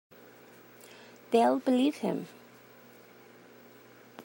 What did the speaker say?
They'll believe him.